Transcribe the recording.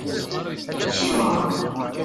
Ciweṛ.